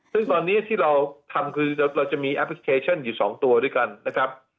ซึ่งตอนนี้ที่เราทำคือเราจะมีแอปพลิเคชันอยู่๒ตัวด้วยกันนะครับ